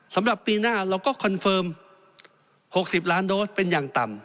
สำหรับปีหน้าเราก็คอนเฟิร์ม๖๐ล้านโดสเป็นอย่างต่ำ